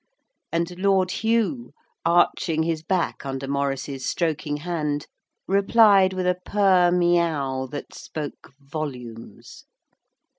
And Lord Hugh, arching his back under Maurice's stroking hand, replied with a purrrr meaow that spoke volumes.